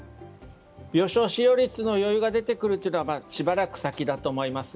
病床使用率の余裕が出てくるのはしばらく先だと思います。